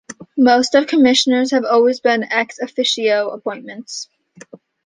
Most of the Commissioners have always been "ex officio" appointments.